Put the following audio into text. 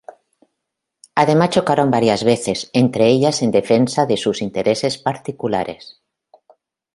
Además chocaron varias veces entre ellas en defensa de sus intereses particulares.